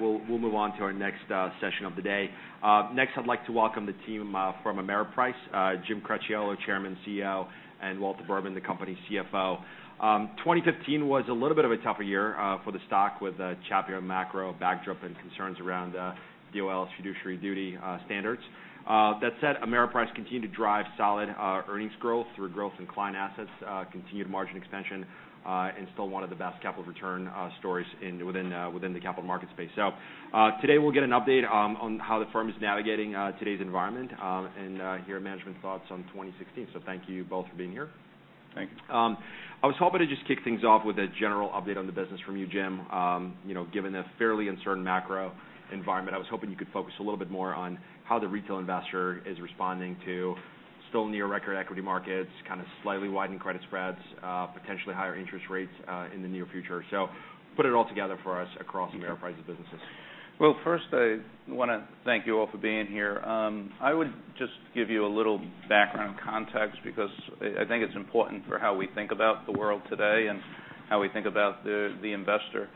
We'll move on to our next session of the day. Next, I'd like to welcome the team from Ameriprise, Jim Cracchiolo, Chairman, CEO, and Walter Berman, the company CFO. 2015 was a little bit of a tougher year for the stock with the choppier macro backdrop and concerns around DOL's fiduciary duty standards. That said, Ameriprise continued to drive solid earnings growth through growth in client assets, continued margin expansion, and still one of the best capital return stories within the capital market space. Today we'll get an update on how the firm is navigating today's environment, and hear management's thoughts on 2016. Thank you both for being here. Thank you. I was hoping to just kick things off with a general update on the business from you, Jim. Given the fairly uncertain macro environment, I was hoping you could focus a little bit more on how the retail investor is responding to still near-record equity markets, slightly widened credit spreads, potentially higher interest rates in the near future. Put it all together for us across Ameriprise's businesses. Well, first, I want to thank you all for being here. I would just give you a little background context, because I think it's important for how we think about the world today and how we think about the investor.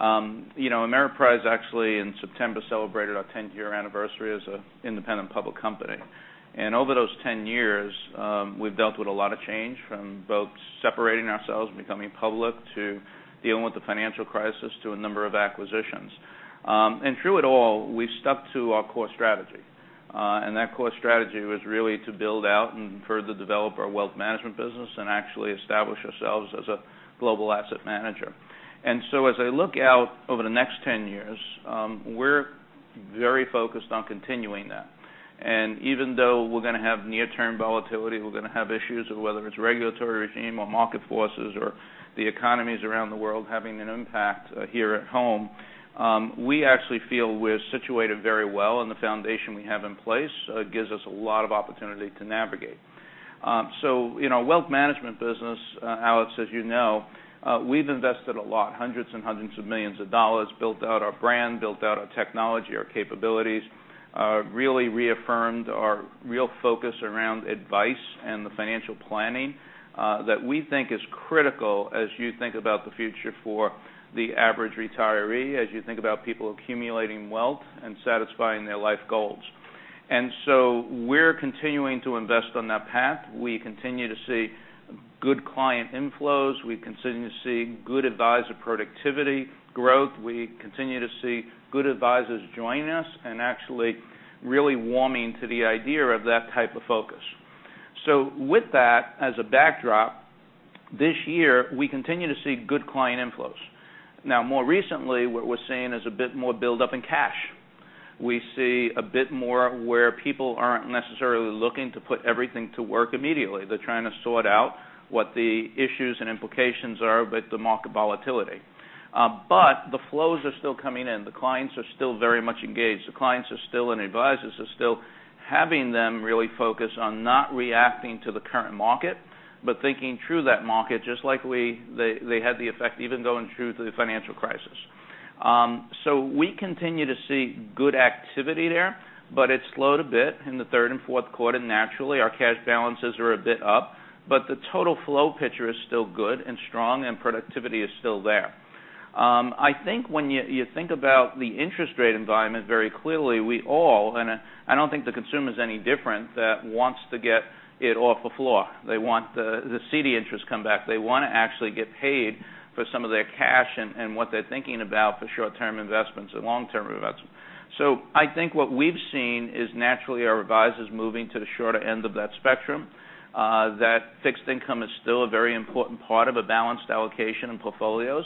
Ameriprise actually in September celebrated our 10-year anniversary as an independent public company. Over those 10 years, we've dealt with a lot of change, from both separating ourselves and becoming public to dealing with the financial crisis to a number of acquisitions. Through it all, we've stuck to our core strategy, and that core strategy was really to build out and further develop our wealth management business and actually establish ourselves as a global asset manager. As I look out over the next 10 years, we're very focused on continuing that. Even though we're going to have near-term volatility, we're going to have issues of whether it's regulatory regime or market forces or the economies around the world having an impact here at home, we actually feel we're situated very well, and the foundation we have in place gives us a lot of opportunity to navigate. In our wealth management business, Alex, as you know, we've invested a lot. Hundreds and hundreds of millions of dollars, built out our brand, built out our technology, our capabilities. Really reaffirmed our real focus around advice and the financial planning that we think is critical as you think about the future for the average retiree, as you think about people accumulating wealth and satisfying their life goals. We're continuing to invest on that path. We continue to see good client inflows. We continue to see good advisor productivity growth. We continue to see good advisors join us and actually really warming to the idea of that type of focus. With that as a backdrop, this year, we continue to see good client inflows. More recently, what we're seeing is a bit more buildup in cash. We see a bit more where people aren't necessarily looking to put everything to work immediately. They're trying to sort out what the issues and implications are with the market volatility. The flows are still coming in. The clients are still very much engaged. The clients are still, and advisors are still having them really focus on not reacting to the current market, but thinking through that market, just like they had the effect even going through the financial crisis. We continue to see good activity there, but it slowed a bit in the third and fourth quarter. Naturally, our cash balances are a bit up, the total flow picture is still good and strong, and productivity is still there. I think when you think about the interest rate environment, very clearly, we all, and I don't think the consumer's any different, that wants to get it off the floor. They want the CD interest come back. They want to actually get paid for some of their cash and what they're thinking about for short-term investments or long-term investments. I think what we've seen is naturally our advisors moving to the shorter end of that spectrum. That fixed income is still a very important part of a balanced allocation in portfolios.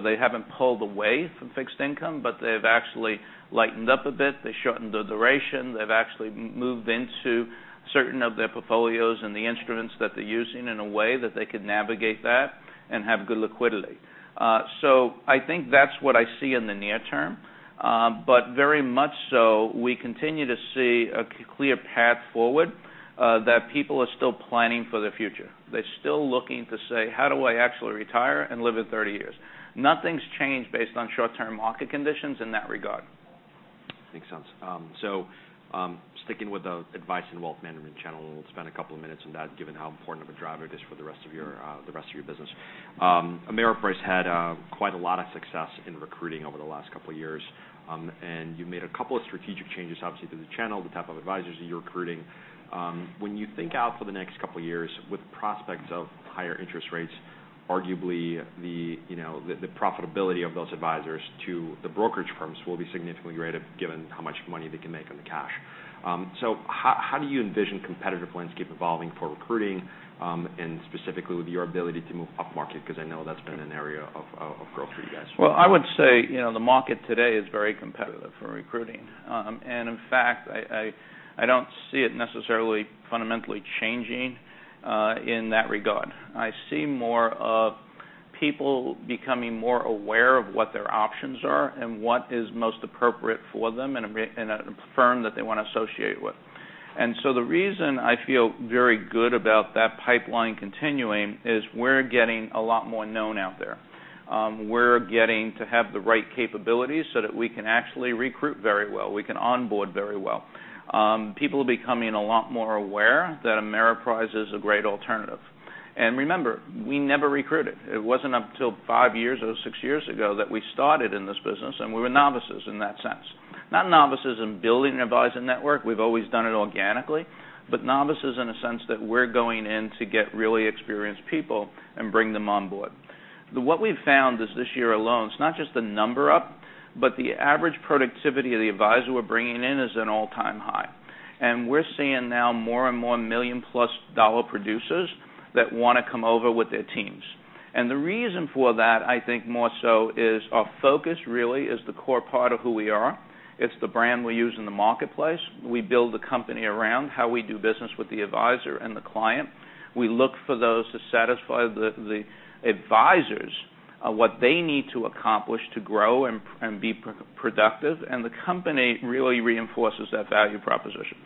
They haven't pulled away from fixed income, but they've actually lightened up a bit. They shortened the duration. They've actually moved into certain of their portfolios and the instruments that they're using in a way that they could navigate that and have good liquidity. Very much so, we continue to see a clear path forward that people are still planning for the future. They're still looking to say, "How do I actually retire and live at 30 years?" Nothing's changed based on short-term market conditions in that regard. Sticking with the advice and wealth management channel, we'll spend a couple of minutes on that, given how important of a driver it is for the rest of your business. Ameriprise had quite a lot of success in recruiting over the last couple of years, and you made a couple of strategic changes, obviously, to the channel, the type of advisors that you're recruiting. When you think out for the next couple of years with the prospects of higher interest rates, arguably the profitability of those advisors to the brokerage firms will be significantly greater given how much money they can make on the cash. How do you envision competitive landscape evolving for recruiting, and specifically with your ability to move upmarket? I know that's been an area of growth for you guys. Well, I would say the market today is very competitive for recruiting. In fact, I don't see it necessarily fundamentally changing in that regard. I see more of people becoming more aware of what their options are and what is most appropriate for them in a firm that they want to associate with. The reason I feel very good about that pipeline continuing is we're getting a lot more known out there. We're getting to have the right capabilities so that we can actually recruit very well. We can onboard very well. People are becoming a lot more aware that Ameriprise is a great alternative. Remember, we never recruited. It wasn't up until five years or six years ago that we started in this business, and we were novices in that sense. Not novices in building an advisor network, we've always done it organically, but novices in a sense that we're going in to get really experienced people and bring them on board. What we've found is this year alone, it's not just the number up, but the average productivity of the advisor we're bringing in is an all-time high. We're seeing now more and more million-plus dollar producers that want to come over with their teams. The reason for that, I think more so is our focus really is the core part of who we are. It's the brand we use in the marketplace. We build the company around how we do business with the advisor and the client. We look for those to satisfy the advisors on what they need to accomplish to grow and be productive. The company really reinforces that value proposition.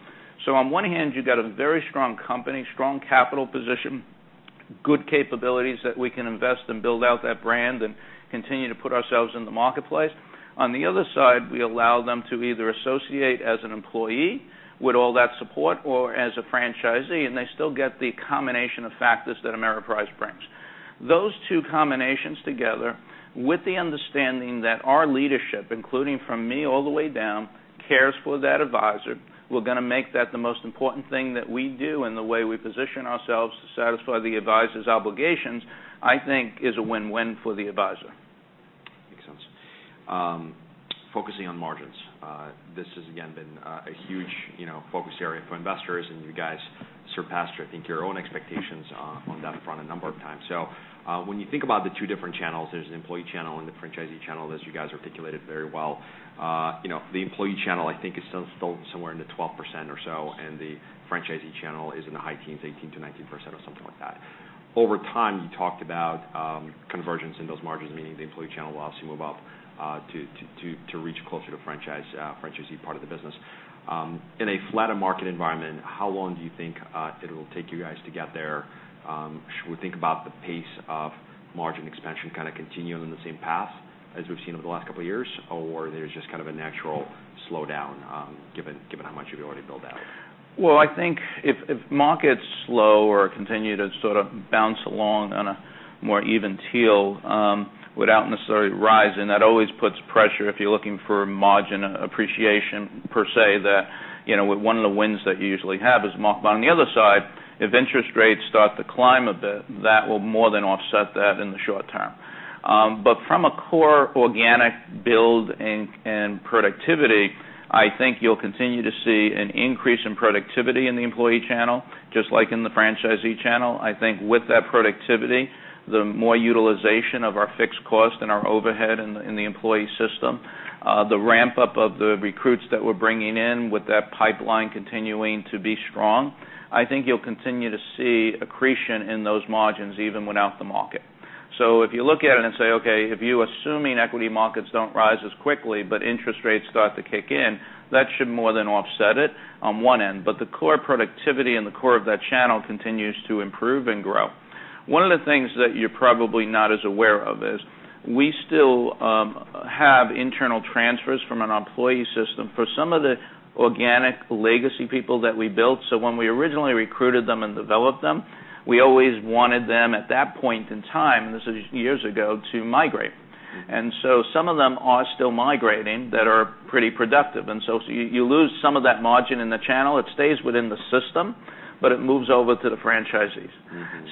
On one hand, you got a very strong company, strong capital position, good capabilities that we can invest and build out that brand and continue to put ourselves in the marketplace. On the other side, we allow them to either associate as an employee with all that support or as a franchisee, and they still get the combination of factors that Ameriprise brings. Those two combinations together with the understanding that our leadership, including from me all the way down, cares for that advisor. We're going to make that the most important thing that we do and the way we position ourselves to satisfy the advisor's obligations, I think is a win-win for the advisor. Makes sense. Focusing on margins. This has again been a huge focus area for investors, and you guys surpassed, I think, your own expectations on that front a number of times. When you think about the two different channels, there's an employee channel and the franchisee channel, as you guys articulated very well. The employee channel, I think is still somewhere in the 12% or so, and the franchisee channel is in the high teens, 18%-19% or something like that. Over time, you talked about convergence in those margins, meaning the employee channel will obviously move up to reach closer to franchisee part of the business. In a flatter market environment, how long do you think it'll take you guys to get there? Should we think about the pace of margin expansion continuing on the same path as we've seen over the last couple of years? There's just a natural slowdown given how much you've already built out? Well, I think if markets slow or continue to sort of bounce along on a more even keel without necessarily rising, that always puts pressure if you're looking for margin appreciation per se, that one of the winds that you usually have is mark. On the other side, if interest rates start to climb a bit, that will more than offset that in the short term. From a core organic build and productivity, I think you'll continue to see an increase in productivity in the employee channel. Just like in the franchisee channel, I think with that productivity, the more utilization of our fixed cost and our overhead in the employee system, the ramp-up of the recruits that we're bringing in with that pipeline continuing to be strong. I think you'll continue to see accretion in those margins even without the market. If you look at it and say, okay, if you assuming equity markets don't rise as quickly, but interest rates start to kick in, that should more than offset it on one end. The core productivity and the core of that channel continues to improve and grow. One of the things that you're probably not as aware of is we still have internal transfers from an employee system for some of the organic legacy people that we built. When we originally recruited them and developed them, we always wanted them at that point in time, and this is years ago, to migrate. Some of them are still migrating that are pretty productive. You lose some of that margin in the channel. It stays within the system, but it moves over to the franchisees.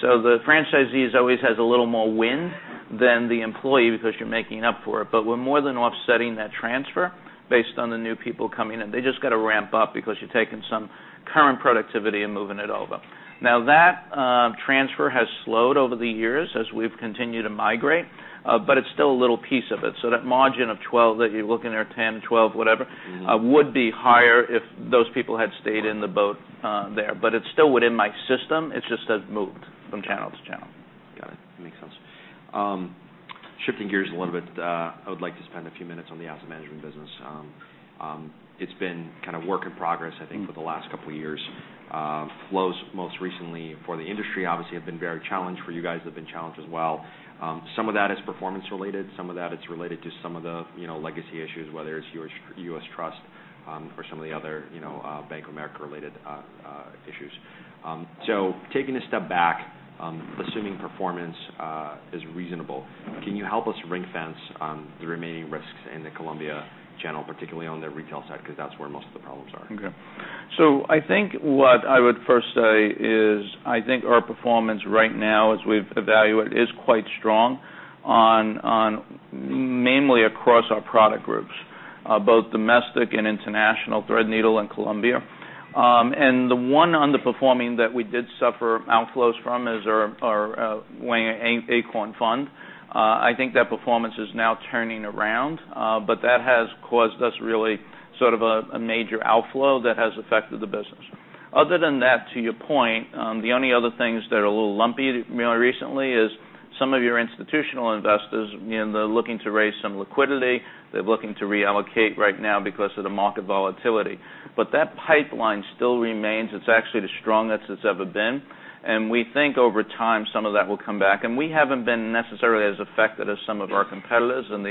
The franchisees always has a little more wind than the employee because you're making up for it. We're more than offsetting that transfer based on the new people coming in. They just got to ramp up because you're taking some current productivity and moving it over. That transfer has slowed over the years as we've continued to migrate, but it's still a little piece of it. That margin of 12 that you're looking at, 10, 12, whatever. would be higher if those people had stayed in the boat there. It's still within my system. It's just that it moved from channel to channel. Got it. Makes sense. Shifting gears a little bit, I would like to spend a few minutes on the asset management business. It's been kind of work in progress, I think, for the last couple of years. Flows most recently for the industry obviously have been very challenged. For you guys, they've been challenged as well. Some of that is performance related. Some of that it's related to some of the legacy issues, whether it's U.S. Trust, or some of the other Bank of America related issues. Taking a step back, assuming performance is reasonable. Can you help us ring-fence the remaining risks in the Columbia channel, particularly on the retail side? That's where most of the problems are. I think what I would first say is I think our performance right now as we've evaluated is quite strong on mainly across our product groups, both domestic and international, Threadneedle and Columbia. The one underperforming that we did suffer outflows from is our Acorn fund. I think that performance is now turning around. That has caused us really sort of a major outflow that has affected the business. Other than that, to your point, the only other things that are a little lumpy recently is some of your institutional investors, they're looking to raise some liquidity. They're looking to reallocate right now because of the market volatility. That pipeline still remains. It's actually the strongest it's ever been. We think over time some of that will come back. We haven't been necessarily as affected as some of our competitors in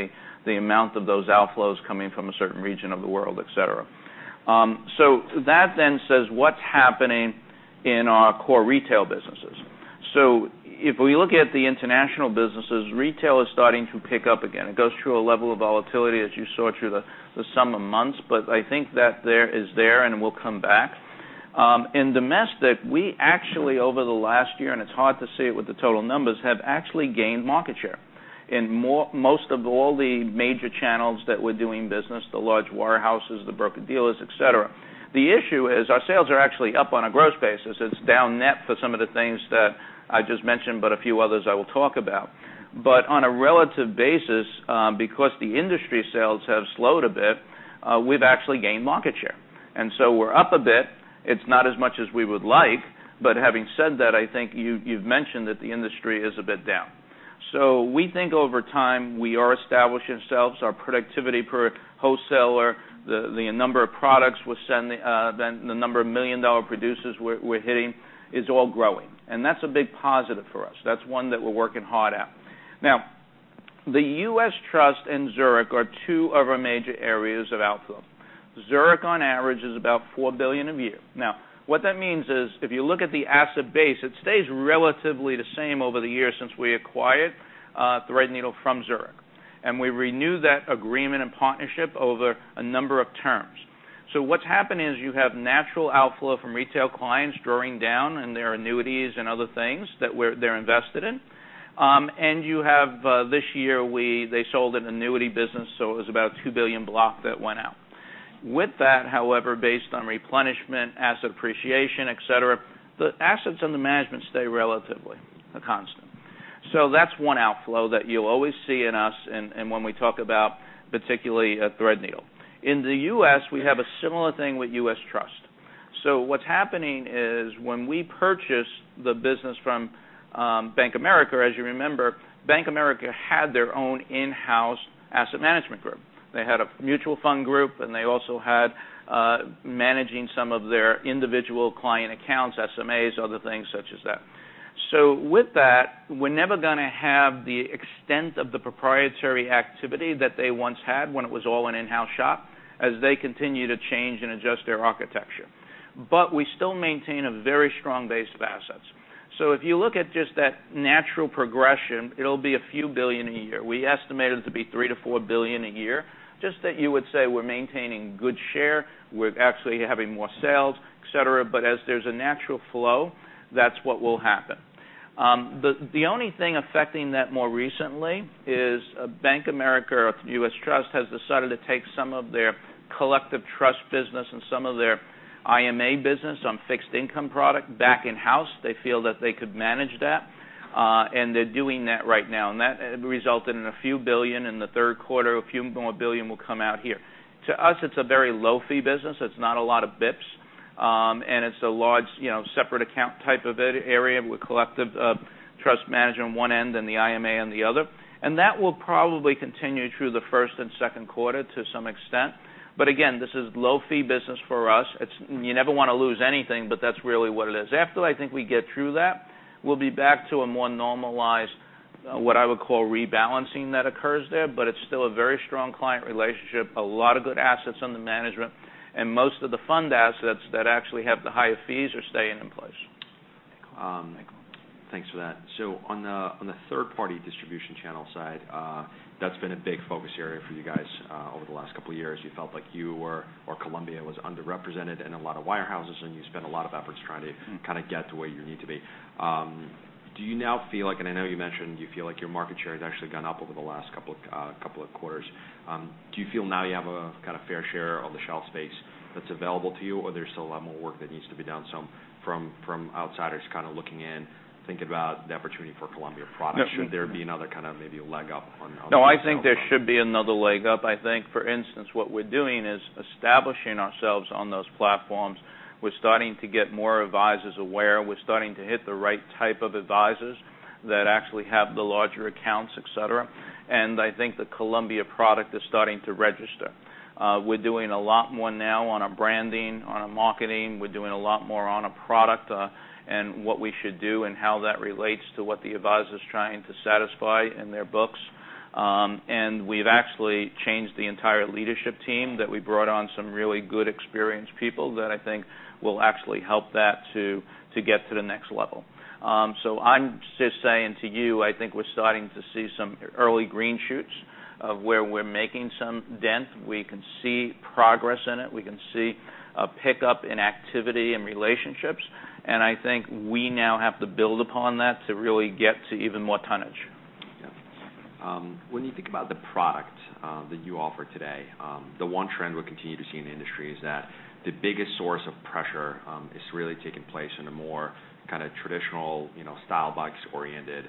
the amount of those outflows coming from a certain region of the world, et cetera. That then says what's happening in our core retail businesses. If we look at the international businesses, retail is starting to pick up again. It goes through a level of volatility as you saw through the summer months, I think that there is there and will come back. In domestic, we actually over the last year, and it's hard to see it with the total numbers, have actually gained market share in most of all the major channels that we're doing business, the large warehouses, the broker-dealers, et cetera. The issue is our sales are actually up on a gross basis. It's down net for some of the things that I just mentioned, a few others I will talk about. On a relative basis, because the industry sales have slowed a bit, we've actually gained market share. We're up a bit. It's not as much as we would like, having said that, I think you've mentioned that the industry is a bit down. We think over time, we are establishing ourselves, our productivity per wholesaler, the number of products we're sending, then the number of million-dollar producers we're hitting is all growing. That's a big positive for us. That's one that we're working hard at. The U.S. Trust and Zurich are two of our major areas of outflow. Zurich, on average, is about $4 billion a year. What that means is if you look at the asset base, it stays relatively the same over the years since we acquired Threadneedle from Zurich. We renew that agreement and partnership over a number of terms. What's happened is you have natural outflow from retail clients drawing down on their annuities and other things that they're invested in. You have, this year, they sold an annuity business, so it was about a $2 billion block that went out. With that, however, based on replenishment, asset appreciation, et cetera, the assets under management stay relatively a constant. That's one outflow that you'll always see in us and when we talk about particularly Threadneedle. In the U.S., we have a similar thing with U.S. Trust. What's happening is when we purchased the business from Bank of America, as you remember, Bank of America had their own in-house asset management group. They had a mutual fund group, and they also had managing some of their individual client accounts, SMAs, other things such as that. With that, we're never going to have the extent of the proprietary activity that they once had when it was all an in-house shop, as they continue to change and adjust their architecture. We still maintain a very strong base of assets. If you look at just that natural progression, it'll be a few billion a year. We estimate it to be $3 billion-$4 billion a year, just that you would say we're maintaining good share, we're actually having more sales, et cetera, but as there's a natural flow, that's what will happen. The only thing affecting that more recently is Bank of America or U.S. Trust has decided to take some of their collective trust business and some of their IMA business on fixed income product back in-house. They feel that they could manage that, and they're doing that right now. That resulted in a few billion in the third quarter. A few more billion will come out here. To us, it's a very low-fee business. It's not a lot of BIPs, and it's a large separate account type of area with collective trust management on one end and the IMA on the other. That will probably continue through the first and second quarter to some extent. Again, this is low-fee business for us. You never want to lose anything, but that's really what it is. After I think we get through that, we'll be back to a more normalized, what I would call rebalancing that occurs there. It's still a very strong client relationship, a lot of good assets under management, and most of the fund assets that actually have the higher fees are staying in place. Thanks for that. On the third-party distribution channel side, that's been a big focus area for you guys over the last couple of years. You felt like you or Columbia was underrepresented in a lot of wirehouses, and you spent a lot of efforts trying to kind of get to where you need to be. Do you now feel like, and I know you mentioned you feel like your market share has actually gone up over the last couple of quarters. Do you feel now you have a kind of fair share of the shelf space that's available to you, or there's still a lot more work that needs to be done? From outsiders kind of looking in, thinking about the opportunity for Columbia products, should there be another kind of maybe a leg up. I think there should be another leg up. I think, for instance, what we're doing is establishing ourselves on those platforms. We're starting to get more advisors aware. We're starting to hit the right type of advisors that actually have the larger accounts, et cetera. I think the Columbia product is starting to register. We're doing a lot more now on our branding, on our marketing. We're doing a lot more on a product, and what we should do, and how that relates to what the advisor is trying to satisfy in their books. We've actually changed the entire leadership team that we brought on some really good experienced people that I think will actually help that to get to the next level. I'm just saying to you, I think we're starting to see some early green shoots of where we're making some dent. We can see progress in it. We can see a pickup in activity and relationships, I think we now have to build upon that to really get to even more tonnage. When you think about the product that you offer today, the one trend we continue to see in the industry is that the biggest source of pressure is really taking place in a more kind of traditional style, box-oriented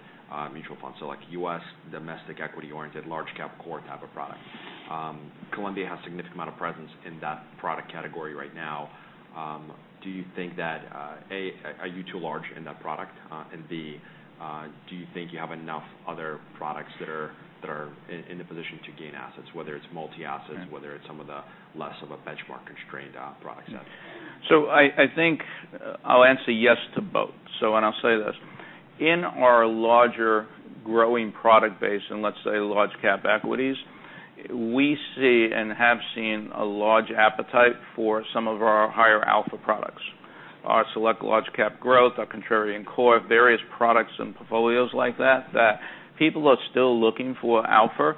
mutual fund. Like U.S. domestic equity-oriented, large cap core type of product. Columbia has a significant amount of presence in that product category right now. Do you think that, A, are you too large in that product? B, do you think you have enough other products that are in the position to gain assets, whether it's multi-assets, whether it's some of the less of a benchmark-constrained product set? I think I'll answer yes to both. I'll say this In our larger growing product base in, let's say, large cap equities, we see and have seen a large appetite for some of our higher alpha products. Our Select Large Cap Growth, our Contrarian Core, various products and portfolios like that people are still looking for alpha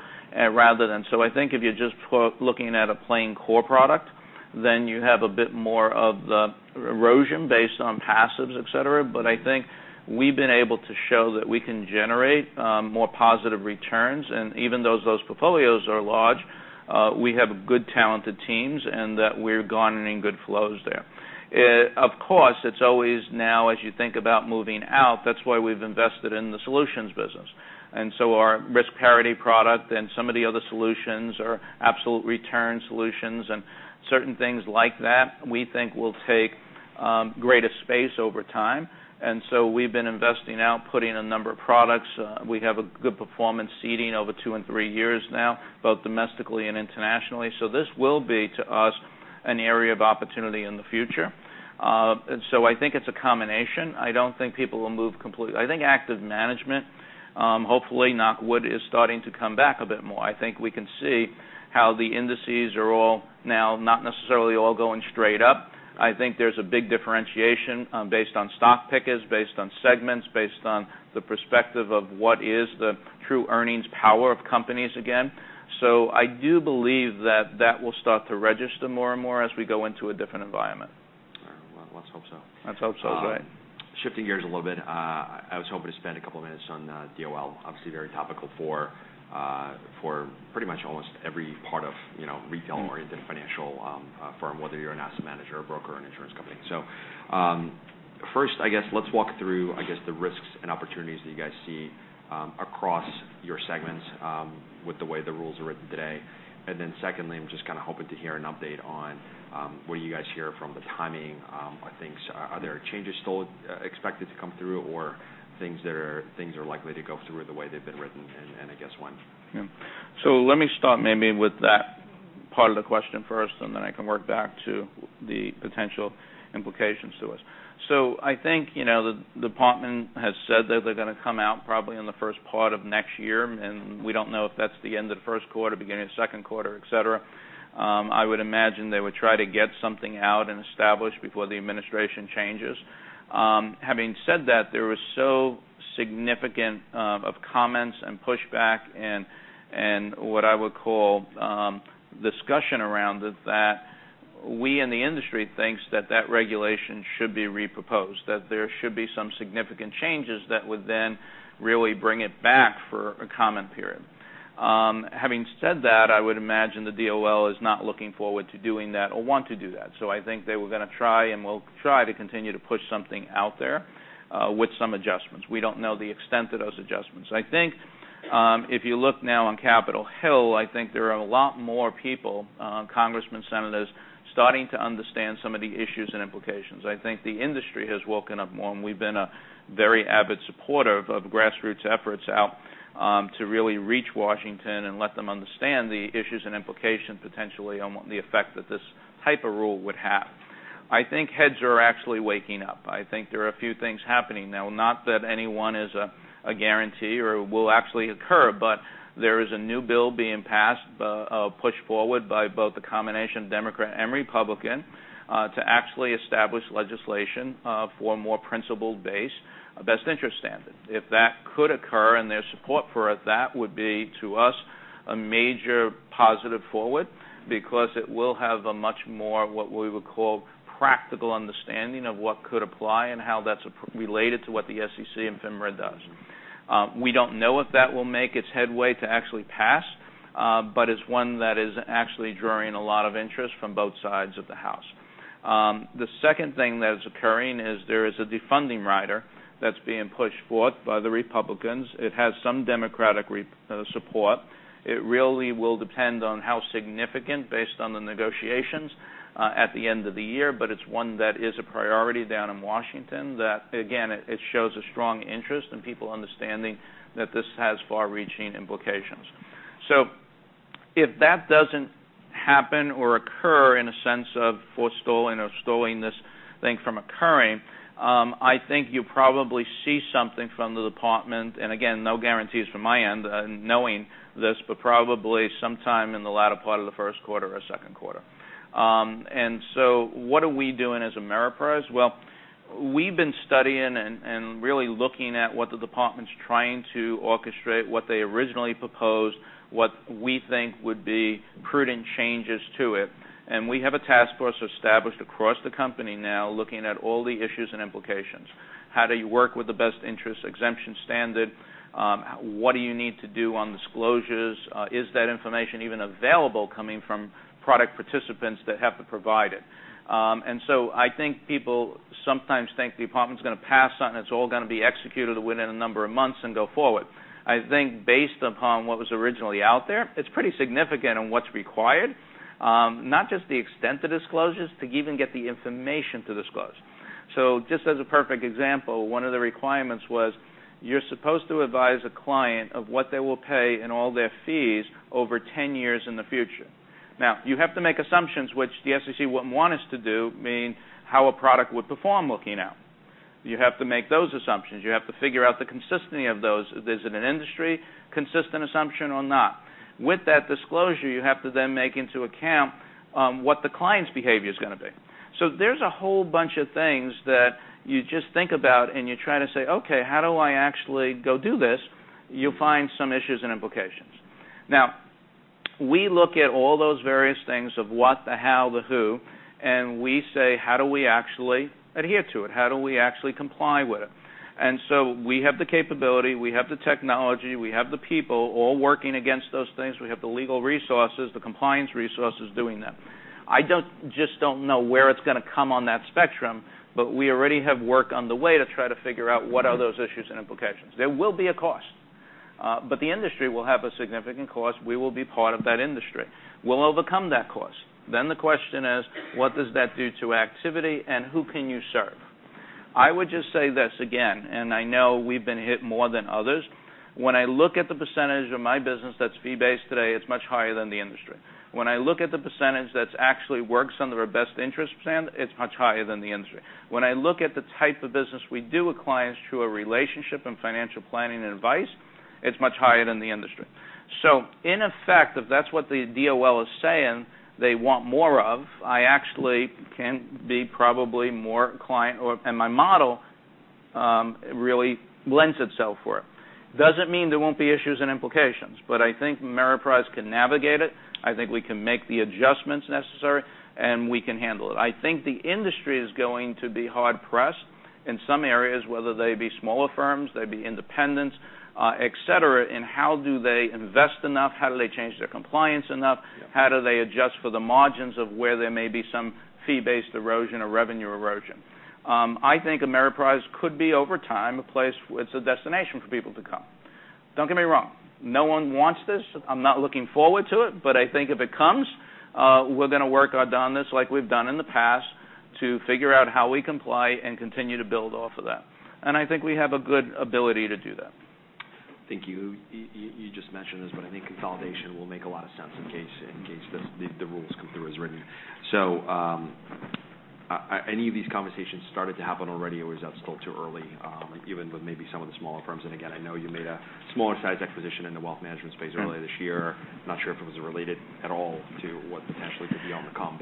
rather than I think if you're just looking at a plain core product, then you have a bit more of the erosion based on passives, et cetera. I think we've been able to show that we can generate more positive returns. Even though those portfolios are large, we have good talented teams, and that we're garnering good flows there. Of course, it's always now, as you think about moving out, that's why we've invested in the solutions business. Our risk parity product and some of the other solutions are absolute return solutions, and certain things like that we think will take greater space over time. We've been investing now, putting a number of products. We have a good performance seeding over two and three years now, both domestically and internationally. This will be, to us, an area of opportunity in the future. I don't think people will move completely. I think active management, hopefully, knock on wood, is starting to come back a bit more. I think we can see how the indices are all now not necessarily all going straight up. I think there's a big differentiation based on stock pickers, based on segments, based on the perspective of what is the true earnings power of companies again. I do believe that that will start to register more and more as we go into a different environment. All right. Well, let's hope so. Let's hope so. Right. Shifting gears a little bit, I was hoping to spend a couple of minutes on DOL. Obviously very topical for pretty much almost every part of retail-oriented financial firm, whether you're an asset manager, a broker, or an insurance company. First, I guess let's walk through the risks and opportunities that you guys see across your segments with the way the rules are written today. Secondly, I'm just hoping to hear an update on what you guys hear from the timing of things. Are there changes still expected to come through, or things that are likely to go through the way they've been written, and I guess when? Yeah. Let me start maybe with that part of the question first, and then I can work back to the potential implications to us. I think the department has said that they're going to come out probably in the first part of next year, and we don't know if that's the end of the first quarter, beginning of second quarter, et cetera. I would imagine they would try to get something out and established before the administration changes. Having said that, there was so significant of comments and pushback, and what I would call discussion around it that we in the industry thinks that that regulation should be re-proposed, that there should be some significant changes that would then really bring it back for a comment period. Having said that, I would imagine the DOL is not looking forward to doing that or want to do that. I think they were going to try and will try to continue to push something out there with some adjustments. We don't know the extent of those adjustments. I think if you look now on Capitol Hill, I think there are a lot more people, congressmen, senators, starting to understand some of the issues and implications. I think the industry has woken up more, and we've been a very avid supporter of grassroots efforts out to really reach Washington and let them understand the issues and implications potentially on what the effect that this type of rule would have. I think heads are actually waking up. I think there are a few things happening now. Not that anyone is a guarantee or will actually occur, but there is a new bill being passed, pushed forward by both a combination Democrat and Republican, to actually establish legislation for a more principle-based best interest standard. If that could occur and there's support for it, that would be, to us, a major positive forward because it will have a much more, what we would call practical understanding of what could apply and how that's related to what the SEC and FINRA does. We don't know if that will make its headway to actually pass, but it's one that is actually drawing a lot of interest from both sides of the house. The second thing that is occurring is there is a defunding rider that's being pushed forth by the Republicans. It has some Democratic support. It really will depend on how significant based on the negotiations at the end of the year. It's one that is a priority down in Washington that, again, it shows a strong interest in people understanding that this has far-reaching implications. If that doesn't happen or occur in a sense of forestalling or stalling this thing from occurring, I think you probably see something from the department. Again, no guarantees from my end knowing this, but probably sometime in the latter part of the first quarter or second quarter. What are we doing as Ameriprise? Well, we've been studying and really looking at what the department's trying to orchestrate, what they originally proposed, what we think would be prudent changes to it. We have a task force established across the company now looking at all the issues and implications. How do you work with the Best Interest exemption standard? What do you need to do on disclosures? Is that information even available coming from product participants that have to provide it? I think people sometimes think the department's going to pass something, it's all going to be executed within a number of months and go forward. I think based upon what was originally out there, it's pretty significant on what's required. Not just the extent of disclosures, to even get the information to disclose. Just as a perfect example, one of the requirements was you're supposed to advise a client of what they will pay in all their fees over 10 years in the future. You have to make assumptions which the SEC wouldn't want us to do, meaning how a product would perform looking out. You have to make those assumptions. You have to figure out the consistency of those. Is it an industry-consistent assumption or not? With that disclosure, you have to then take into account what the client's behavior is going to be. There's a whole bunch of things that you just think about, and you try to say, "Okay, how do I actually go do this?" You'll find some issues and implications. We look at all those various things of what, the how, the who, and we say: How do we actually adhere to it? How do we actually comply with it? We have the capability, we have the technology, we have the people all working against those things. We have the legal resources, the compliance resources doing that. I just don't know where it's going to come on that spectrum, we already have work on the way to try to figure out what are those issues and implications. There will be a cost. The industry will have a significant cost. We will be part of that industry. We'll overcome that cost. The question is, what does that do to activity, and who can you serve? I would just say this again, and I know we've been hit more than others. When I look at the percentage of my business that's fee-based today, it's much higher than the industry. When I look at the percentage that actually works under our Best Interest plan, it's much higher than the industry. When I look at the type of business we do with clients through a relationship and financial planning and advice, it's much higher than the industry. In effect, if that's what the DOL is saying they want more of, I actually can be probably more client-focused, and my model really lends itself for it. It doesn't mean there won't be issues and implications, but I think Ameriprise can navigate it. I think we can make the adjustments necessary, and we can handle it. I think the industry is going to be hard-pressed in some areas, whether they be smaller firms, they be independents, et cetera, in how do they invest enough, how do they change their compliance enough Yeah How do they adjust for the margins of where there may be some fee-based erosion or revenue erosion. I think Ameriprise could be, over time, a place, it's a destination for people to come. Don't get me wrong. No one wants this. I'm not looking forward to it. I think if it comes, we're going to work on this like we've done in the past to figure out how we comply and continue to build off of that. I think we have a good ability to do that. Thank you. You just mentioned this, I think consolidation will make a lot of sense in case the rules come through as written. Any of these conversations started to happen already, or is that still too early, even with maybe some of the smaller firms? Again, I know you made a smaller-sized acquisition in the wealth management space earlier this year. Not sure if it was related at all to what potentially could be on the come.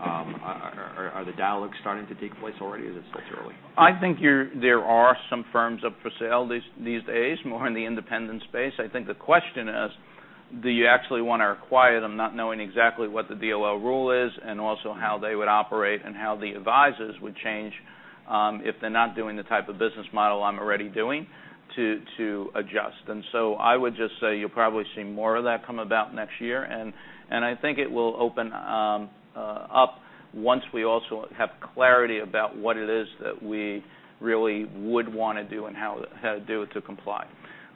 Are the dialogues starting to take place already, or is this still too early? I think there are some firms up for sale these days, more in the independent space. I think the question is, do you actually want to acquire them not knowing exactly what the DOL rule is and also how they would operate and how the advisors would change, if they're not doing the type of business model I'm already doing to adjust. I would just say you'll probably see more of that come about next year, and I think it will open up once we also have clarity about what it is that we really would want to do and how to do it to comply.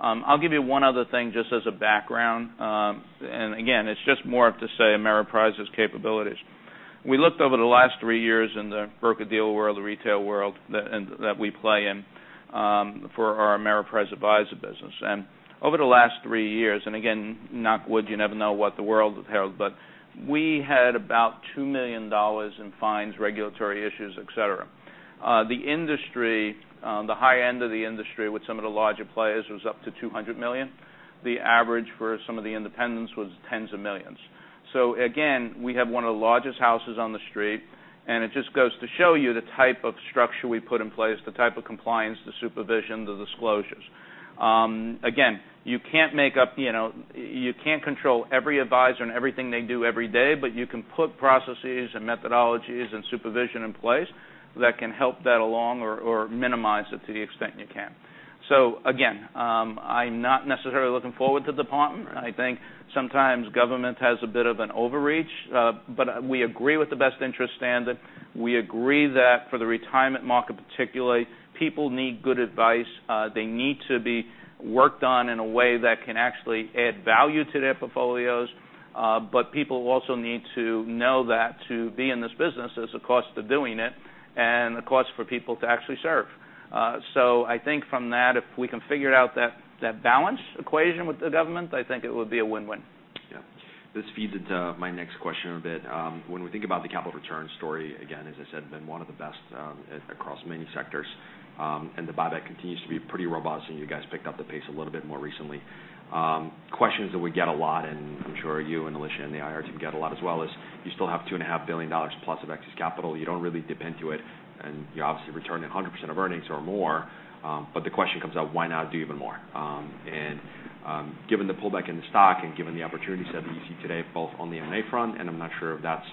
I'll give you one other thing just as a background, and again, it's just more to say Ameriprise's capabilities. We looked over the last three years in the broker-dealer world, the retail world that we play in for our Ameriprise advisor business. Over the last three years, and again, knock on wood, you never know what the world heralds, but we had about $2 million in fines, regulatory issues, et cetera. The high end of the industry with some of the larger players was up to $200 million. The average for some of the independents was tens of millions. Again, we have one of the largest houses on the street, and it just goes to show you the type of structure we put in place, the type of compliance, the supervision, the disclosures. Again, you can't control every advisor and everything they do every day, but you can put processes and methodologies and supervision in place that can help that along or minimize it to the extent you can. Again, I'm not necessarily looking forward to the partner. I think sometimes government has a bit of an overreach, we agree with the best interest standard. We agree that for the retirement market particularly, people need good advice. They need to be worked on in a way that can actually add value to their portfolios. People also need to know that to be in this business, there's a cost to doing it and a cost for people to actually serve. I think from that, if we can figure out that balance equation with the government, I think it would be a win-win. Yeah. This feeds into my next question a bit. When we think about the capital return story, again, as I said, been one of the best across many sectors, the buyback continues to be pretty robust, you guys picked up the pace a little bit more recently. Questions that we get a lot, and I'm sure you and Alicia and the IR team get a lot as well, is you still have $2.5 billion-plus of excess capital. You don't really dip into it, and you're obviously returning 100% of earnings or more. The question comes up, why not do even more? Given the pullback in the stock and given the opportunity set that you see today, both on the M&A front, and I'm not sure if that's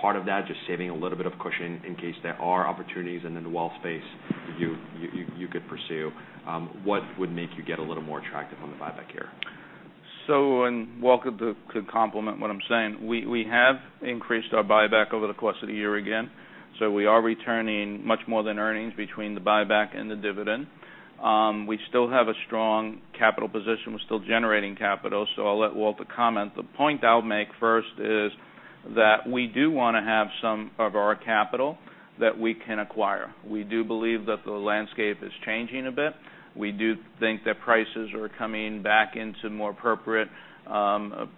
part of that, just saving a little bit of cushion in case there are opportunities in the wealth space you could pursue. What would make you get a little more attractive on the buyback here? Walt could complement what I'm saying. We have increased our buyback over the course of the year again, so we are returning much more than earnings between the buyback and the dividend. We still have a strong capital position. We're still generating capital, so I'll let Walt comment. The point I'll make first is that we do want to have some of our capital that we can acquire. We do believe that the landscape is changing a bit. We do think that prices are coming back into more appropriate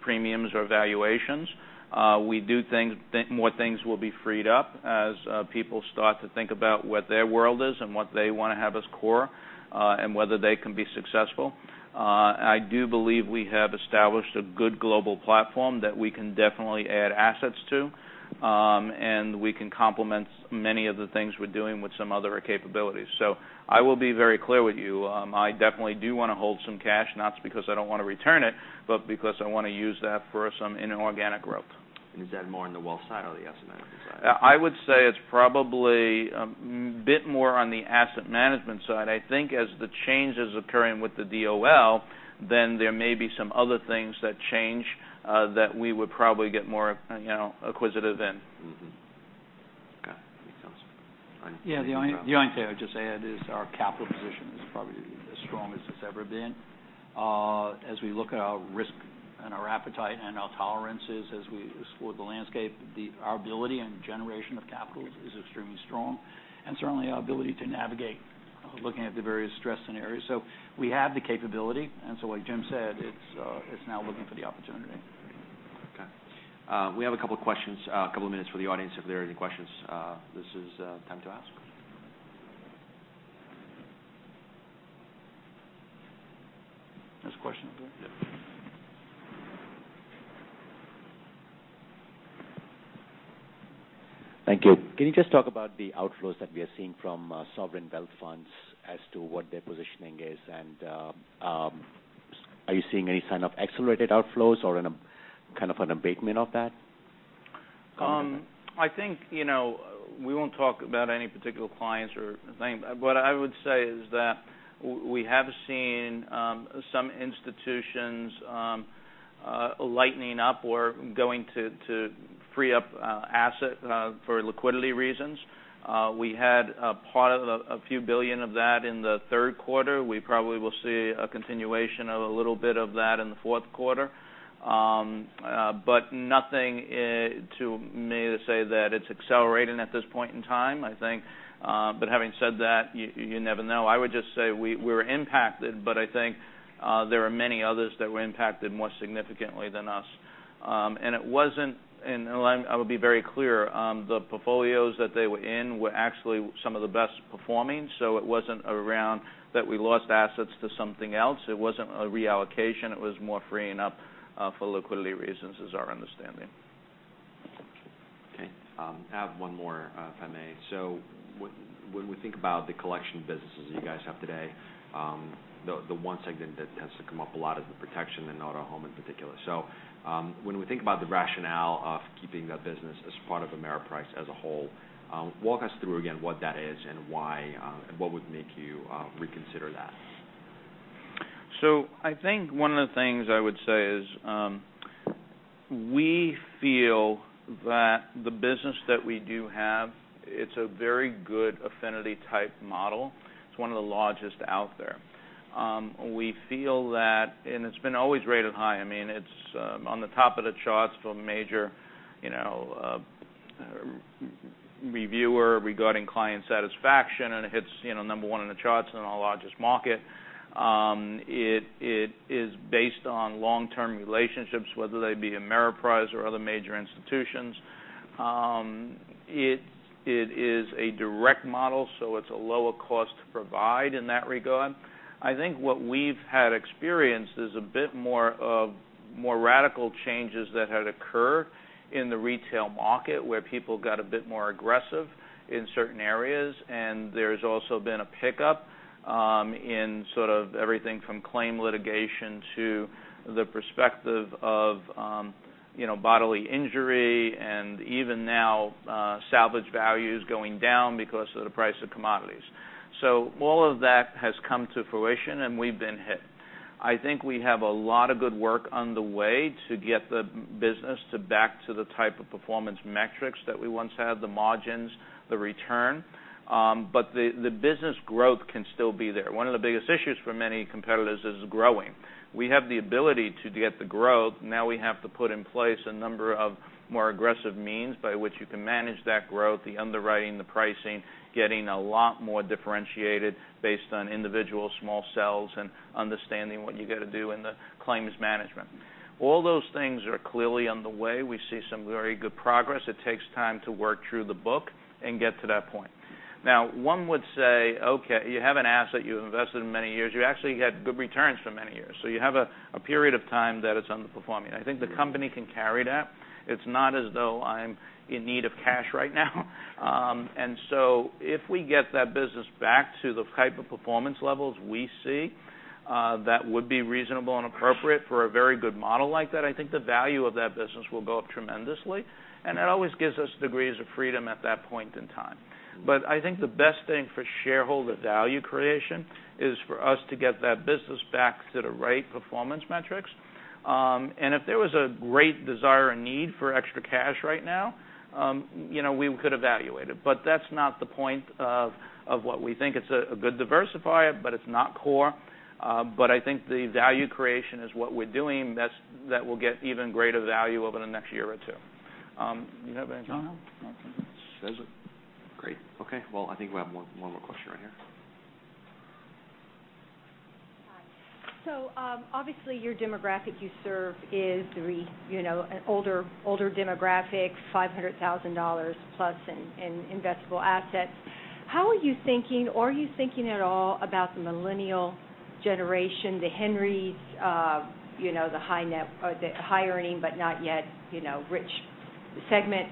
premiums or valuations. We do think more things will be freed up as people start to think about what their world is and what they want to have as core, and whether they can be successful. I do believe we have established a good global platform that we can definitely add assets to, and we can complement many of the things we're doing with some other capabilities. I will be very clear with you. I definitely do want to hold some cash, not because I don't want to return it, but because I want to use that for some inorganic growth. Is that more on the wealth side or the asset management side? I would say it's probably a bit more on the asset management side. I think as the change is occurring with the DOL, then there may be some other things that change that we would probably get more acquisitive in. Okay. Makes sense. Walter, anything to add? Yeah, the only thing I'd just add is our capital position is probably the strongest it's ever been. As we look at our risk and our appetite and our tolerances as we explore the landscape, our ability and generation of capital is extremely strong. Certainly, our ability to navigate, looking at the various stress scenarios. We have the capability, like Jim said, it's now looking for the opportunity. Okay. We have a couple of minutes for the audience if there are any questions. This is the time to ask. There's a question up there. Yep. Thank you. Can you just talk about the outflows that we are seeing from sovereign wealth funds as to what their positioning is? Are you seeing any sign of accelerated outflows or kind of an abatement of that? I think I won't talk about any particular clients or thing. What I would say is that we have seen some institutions lightening up or going to free up asset for liquidity reasons. We had a few billion of that in the third quarter. We probably will see a continuation of a little bit of that in the fourth quarter. Nothing, to me, to say that it's accelerating at this point in time, I think. Having said that, you never know. I would just say we were impacted, but I think there are many others that were impacted more significantly than us. I would be very clear, the portfolios that they were in were actually some of the best performing, so it wasn't around that we lost assets to something else. It wasn't a reallocation. It was more freeing up for liquidity reasons is our understanding. Okay. I have one more, if I may. When we think about the collection businesses that you guys have today, the one segment that tends to come up a lot is the protection and auto home in particular. When we think about the rationale of keeping that business as part of Ameriprise as a whole, walk us through again what that is and what would make you reconsider that. I think one of the things I would say is we feel that the business that we do have, it's a very good affinity type model. It's one of the largest out there. It's been always rated high. It's on the top of the charts for a major reviewer regarding client satisfaction, and it hits number 1 on the charts in our largest market. It is based on long-term relationships, whether they be Ameriprise or other major institutions. It is a direct model, so it's a lower cost to provide in that regard. I think what we've had experienced is a bit more radical changes that had occurred in the retail market, where people got a bit more aggressive in certain areas, and there's also been a pickup in sort of everything from claim litigation to the perspective of bodily injury, and even now salvage values going down because of the price of commodities. All of that has come to fruition, and we've been hit. I think we have a lot of good work on the way to get the business back to the type of performance metrics that we once had, the margins, the return. The business growth can still be there. One of the biggest issues for many competitors is growing. We have the ability to get the growth. We have to put in place a number of more aggressive means by which you can manage that growth, the underwriting, the pricing, getting a lot more differentiated based on individual small cells and understanding what you got to do in the claims management. All those things are clearly on the way. We see some very good progress. It takes time to work through the book and get to that point. One would say, okay, you have an asset you've invested in many years. You actually got good returns for many years. You have a period of time that it's underperforming. I think the company can carry that. It's not as though I'm in need of cash right now. If we get that business back to the type of performance levels we see, that would be reasonable and appropriate for a very good model like that. I think the value of that business will go up tremendously. That always gives us degrees of freedom at that point in time. I think the best thing for shareholder value creation is for us to get that business back to the right performance metrics. If there was a great desire and need for extra cash right now, we could evaluate it. That's not the point of what we think. It's a good diversifier, but it's not core. I think the value creation is what we're doing that will get even greater value over the next year or two. You have anything? No. Okay. Great. Okay. I think we have one more question right here. Hi. Obviously, your demographic you serve is an older demographic, $500,000-plus in investable assets. How are you thinking, or are you thinking at all about the Millennial generation, the HENRYs, the high-earning but not yet rich segment,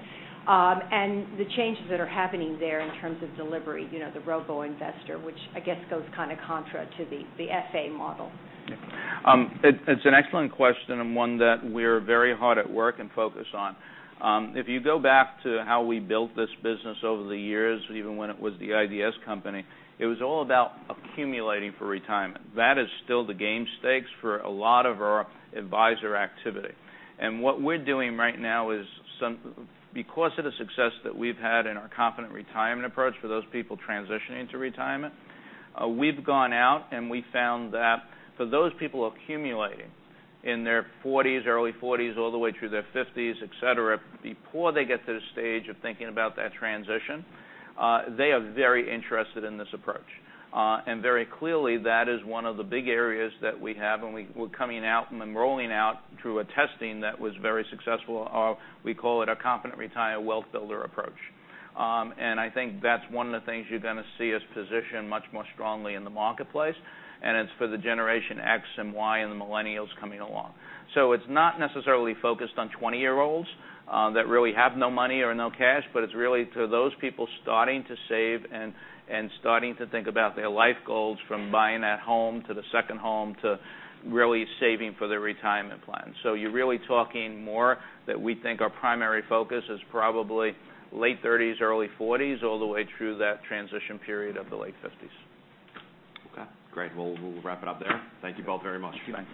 and the changes that are happening there in terms of delivery, the robo-advisor, which I guess goes contra to the FA model? It's an excellent question and one that we're very hard at work and focused on. If you go back to how we built this business over the years, even when it was the IDS company, it was all about accumulating for retirement. That is still the game stakes for a lot of our advisor activity. What we're doing right now is because of the success that we've had in our Confident Retirement approach for those people transitioning to retirement, we've gone out and we found that for those people accumulating in their early 40s all the way through their 50s, et cetera, before they get to the stage of thinking about that transition, they are very interested in this approach. Very clearly, that is one of the big areas that we have, and we're coming out and rolling out through a testing that was very successful. We call it a Confident Retirement wealth builder approach. I think that's one of the things you're going to see us position much more strongly in the marketplace, and it's for the Generation X and Y and the Millennials coming along. It's not necessarily focused on 20-year-olds that really have no money or no cash, but it's really to those people starting to save and starting to think about their life goals from buying that home to the second home to really saving for their retirement plan. You're really talking more that we think our primary focus is probably late 30s, early 40s, all the way through that transition period of the late 50s. Okay, great. We'll wrap it up there. Thank you both very much. Thanks.